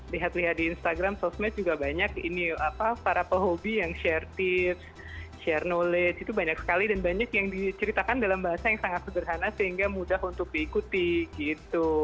lihat lihat di instagram sosmed juga banyak ini para pehobi yang share tips share knowledge itu banyak sekali dan banyak yang diceritakan dalam bahasa yang sangat sederhana sehingga mudah untuk diikuti gitu